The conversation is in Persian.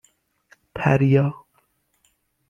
پریا